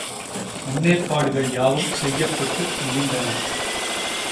முன்னேற்பாடுகள் யாவும் செய்யப்பட்டு முடிந்தன.